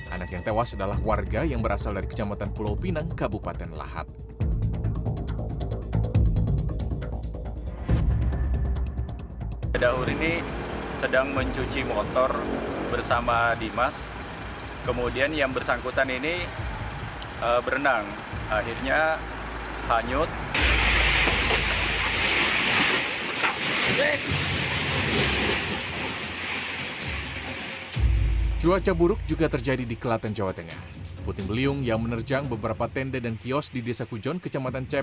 anak yang tewas adalah warga yang berasal dari kecamatan pulau pinang kabupaten lahat